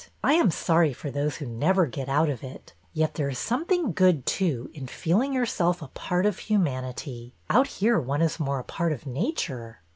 I am sorry for those who never get out of it. Yet there is something good, too, in feeling your self a part of humanity. Out here one is more a part of nature."